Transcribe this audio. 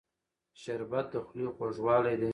شربت د خولې خوږوالی دی